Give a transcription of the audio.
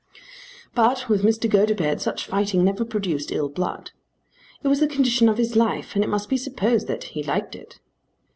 But with Mr. Gotobed such fighting never produced ill blood. It was the condition of his life, and it must be supposed that he liked it.